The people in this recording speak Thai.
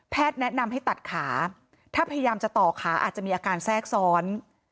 แนะนำให้ตัดขาถ้าพยายามจะต่อขาอาจจะมีอาการแทรกซ้อน